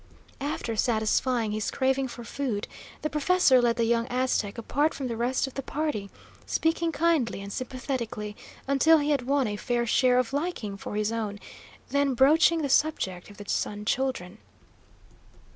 After satisfying his craving for food, the professor led the young Aztec apart from the rest of the party, speaking kindly and sympathetically until he had won a fair share of liking for his own, then broaching the subject of the Sun Children.